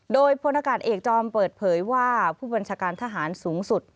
โดยพลอากาศเอกจอมเปิดเผยว่าผู้บัญชาการทหารสูงสุด